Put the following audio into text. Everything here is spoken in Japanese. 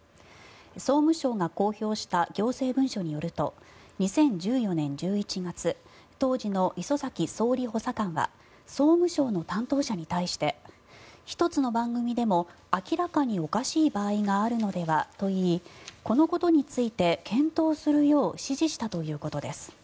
総務省が公表した行政文書によると２０１４年１１月当時の礒崎総理補佐官は総務省の担当者に対して１つの番組でも明らかにおかしい場合があるのではといいこのことについて検討するよう指示したということです。